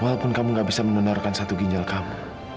walaupun kamu gak bisa mendonorkan satu ginjal kamu